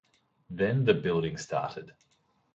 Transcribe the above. Then the building started.